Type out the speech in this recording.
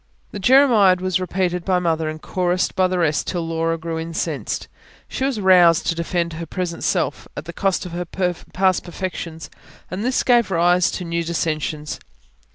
This jeremiad was repeated by Mother and chorused by the rest till Laura grew incensed. She was roused to defend her present self, at the cost of her past perfections; and this gave rise to new dissensions.